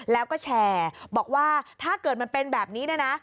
แล้วก็แชร์บอกว่าถ้าเกิดมันเป็นแบบนี้เนี่ยนะ